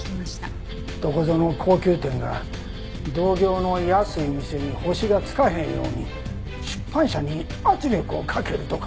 どこぞの高級店が同業の安い店に星がつかへんように出版社に圧力をかけるとか。